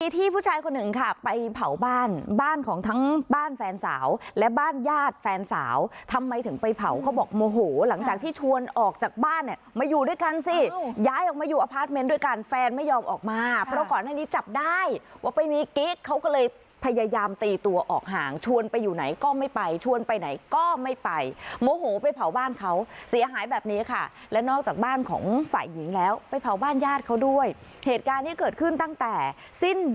ที่ผู้ชายคนหนึ่งค่ะไปเผาบ้านบ้านของทั้งบ้านแฟนสาวและบ้านญาติแฟนสาวทำไมถึงไปเผาเขาบอกโมโหหลังจากที่ชวนออกจากบ้านเนี่ยมาอยู่ด้วยกันสิย้ายออกมาอยู่อพาร์ทเมนต์ด้วยกันแฟนไม่ยอมออกมาเพราะก่อนในนี้จับได้ว่าไปมีกิ๊กเขาก็เลยพยายามตีตัวออกห่างชวนไปอยู่ไหนก็ไม่ไปชวนไปไหนก็ไม่ไปโมโหไปเผาบ้านเขาเสี